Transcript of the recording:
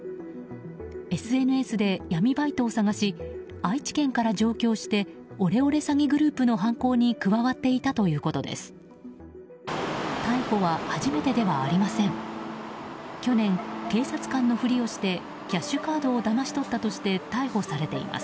ＳＮＳで闇バイトを探し愛知県から上京してオレオレ詐欺グループの犯行に加わっていたということです。